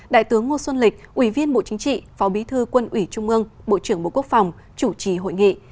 đại tướng ngô xuân lịch ủy viên bộ chính trị phó bí thư quân ủy trung ương bộ trưởng bộ quốc phòng chủ trì hội nghị